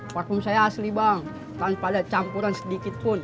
parfum saya asli bang tanpa ada campuran sedikitpun